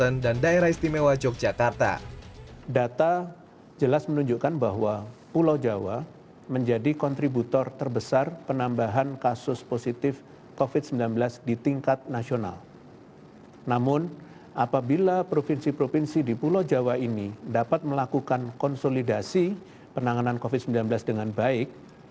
namun apabila provinsi provinsi di pulau jawa ini dapat melakukan konsolidasi penanganan covid sembilan belas dengan baik